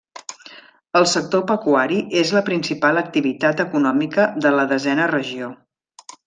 El sector pecuari és la principal activitat econòmica de la Desena Regió.